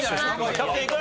キャプテンいく？